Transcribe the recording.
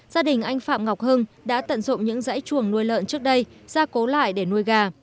gia đình anh phạm ngọc hưng đã tận dụng những dãy chuồng nuôi lợn trước đây ra cố lại để nuôi gà